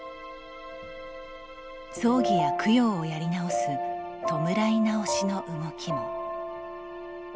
葬儀や供養をやり直す弔い直しの動きも。